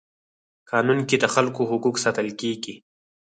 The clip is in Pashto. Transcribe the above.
قانون کي د خلکو حقوق ساتل کيږي.